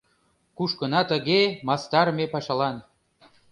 Кушкына тыге мастар ме пашалан.